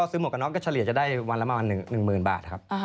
ซื้อหมวกกะน็อกก็เฉลี่ยจะได้วันละมาวัน๑๐๐๐๐บาทครับ